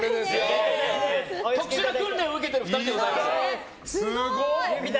特殊な訓練を受けている２人でございますので。